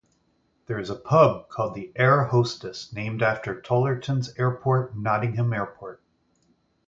There is a pub called the "Air Hostess", named after Tollerton's airport, Nottingham Airport.